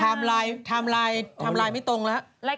ถามไลน์ถามไลน์ถามไลน์ไม่ตรงแล้ว